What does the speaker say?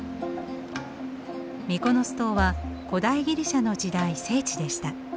ミコノス島は古代ギリシャの時代聖地でした。